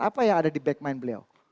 apa yang ada di back mind beliau